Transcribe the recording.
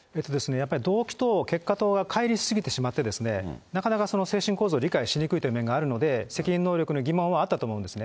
やっぱり動機と結果とがかい離し過ぎてしまって、なかなか精神構造を理解しにくいという面があるので、責任能力の疑問はあったと思うんですね。